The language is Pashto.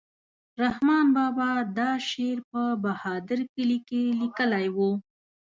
رحمان بابا دا شعر په بهادر کلي کې لیکلی و.